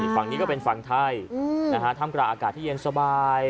ฝั่งนี้ก็เป็นฝั่งไทยอืมนะฮะทำกระอากาศที่เย็นสบาย